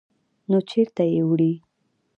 _نو چېرته يې وړې؟